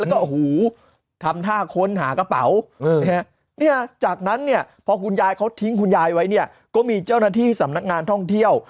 แล้วก็โอ้โหทำท่าค้นหากระเป๋าเนี่ยจากนั้นเนี่ยพอคุณยายเขาทิ้งคุณยายไว้เนี่ยก็มีเจ้าหน้าที่สำนักงานท่องเที่ยว